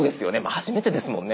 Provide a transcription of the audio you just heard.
初めてですもんね。